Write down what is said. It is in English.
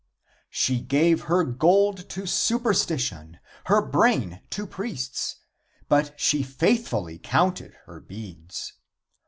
She gave her gold to superstition, her brain to priests, but she faithfully counted her beads.